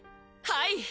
はい！